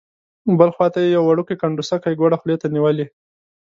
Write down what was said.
بل خوا ته یې یو وړوکی کنډوسکی ګوړه خولې ته نیولې.